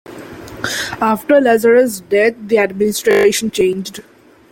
After Lazarus' death the administration changed.